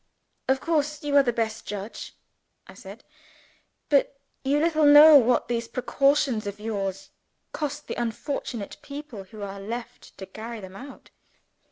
"Of course you are the best judge," I said. "But you little know what these precautions of yours cost the unfortunate people who are left to carry them out."